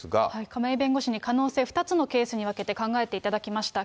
亀井弁護士に可能性、２つのケースに分けて考えていただきました。